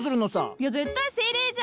いや絶対精霊じゃ！